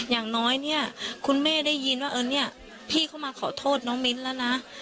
อย่างน้อยคุณแม่ได้ยินว่าพี่เข้ามาขอโทษน้องมินท์แล้วนะ